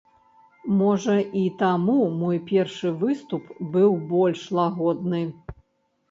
Можа і таму мой першы выступ быў больш лагодны.